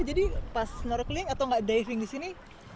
jadi pas snorkeling atau enggak diving di sini